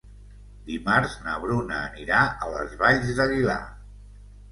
Dimarts na Bruna anirà a les Valls d'Aguilar.